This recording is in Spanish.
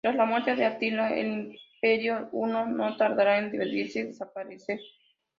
Tras la muerte de Atila, el Imperio Huno no tardaría en dividirse y desaparecer.